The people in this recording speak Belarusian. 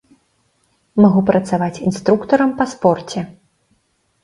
Магу працаваць інструктарам па спорце.